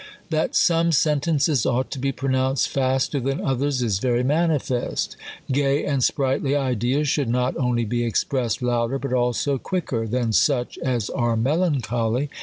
That some sentences ought to be pronounced faster than others is very manifest. Gay and sprighdy ideas should not only be expressed louder, but also quicker than such as are melancholy.